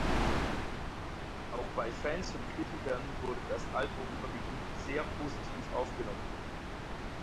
Auch bei Fans und Kritikern wurde das Album überwiegend sehr positiv aufgenommen.